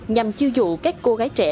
nhằm chiêu dụ các cô gái trẻ